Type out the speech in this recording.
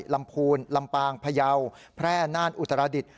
ลำพูนลำปางพยาวแพร่น่านอุตรดิษฐ